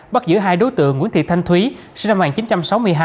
bắt giữ hai đối tượng nguyễn thị thanh thúy sinh năm một nghìn chín trăm sáu mươi hai